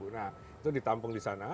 nah itu ditampung disana